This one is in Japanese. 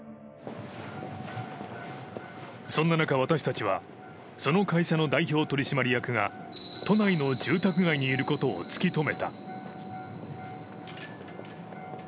そんな中、私たちはその会社の代表取締役が都内の住宅街にいることを突き止めた。